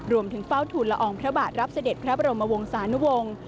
รวมถึงเฝ้าทุนละอองพระบาทรับเสด็จพระบรมวงศานุวงศ์